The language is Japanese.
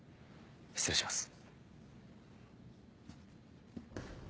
失礼します。